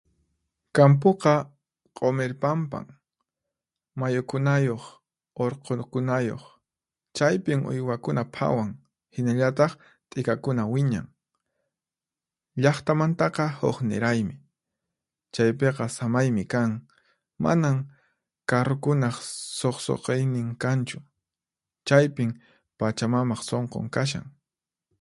Kampuqa q'umir pampan, mayukunayuq, urqukunayuq. Chaypin uywakuna phawan, hinallataq t'ikakuna wiñan. Llaqtamantaqa huqniraymi, chaypiqa samaymi kan, manan karrukunaq suqsuqqiynin kanchu. Chaypin Pachamamaq sunqun kashan.